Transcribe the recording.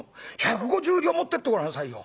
１５０両持ってってごらんなさいよ。